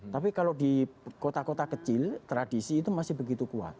tapi kalau di kota kota kecil tradisi itu masih begitu kuat